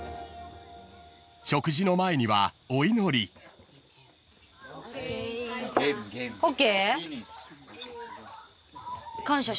［食事の前にはお祈り］ＯＫ？